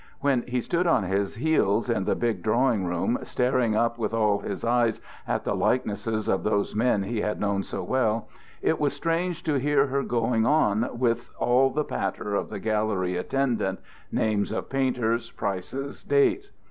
When he stood on his heels in the big drawing room, staring up with all his eyes at the likenesses of those men he had known so well, it was strange to hear her going on with all the patter of the gallery attendant, names of painters, prices, dates.